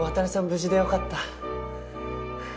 無事でよかった。